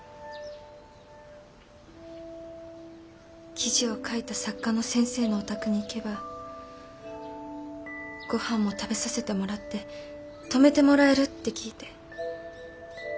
記事を書いた作家の先生のお宅に行けばごはんも食べさせてもらって泊めてもらえるって聞いて。